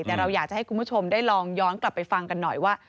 แต่เราอยากจะให้คุณผู้ชมได้ลองย้อนกลับไปฟังกันหน่อยว่า